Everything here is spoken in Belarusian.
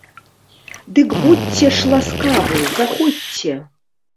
Дык будзьце ж ласкавы, заходзьце!